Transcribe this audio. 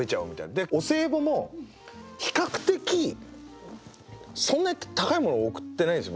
でお歳暮も比較的そんなに高いもの贈ってないんですよ